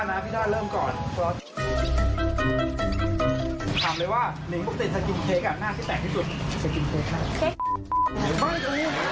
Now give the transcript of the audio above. หน้าที่แตกที่สุด